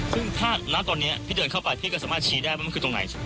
ซึ่งถ้าณตอนนี้พี่เดินเข้าไปพี่ก็สามารถชี้ได้ว่ามันคือตรงไหน